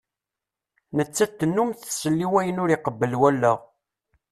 Nettat tennum tessal i wayen ur iqebbel wallaɣ.